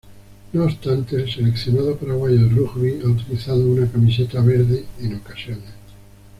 No obstante, el seleccionado paraguayo de rugby ha utilizado una camiseta verde, en ocasiones.